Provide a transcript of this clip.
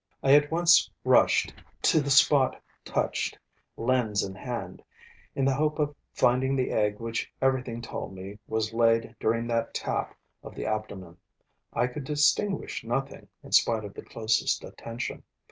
I at once rushed to the spot touched, lens in hand, in the hope of finding the egg which everything told me was laid during that tap of the abdomen. I could distinguish nothing, in spite of the closest attention.